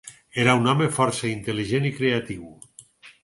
Era un home força intel·ligent i creatiu.